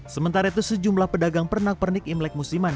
sementara itu sejumlah pedagang pernak pernik imlek musiman